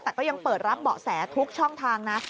แต่ก็ยังเปิดรับเบาะแสทุกช่องทางนะ